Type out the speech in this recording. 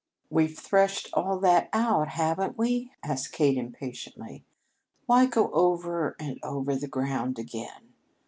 "We've threshed all that out, haven't we?" asked Kate impatiently. "Why go over the ground again?